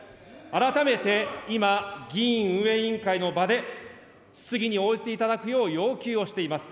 改めて、今、議院運営委員会の場で、質疑に応じていただくよう要求をしています。